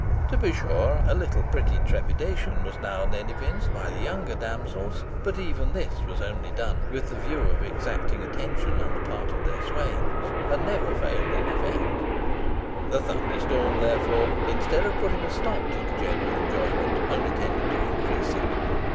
To be sure, a little pretty trepidation was now and then evinced by the younger damsels; but even this was only done with the view of exacting attention on the part of their swains, and never failed in effect. The thunder storm, therefore, instead of putting a stop to the general enjoyment, only tended to increase it.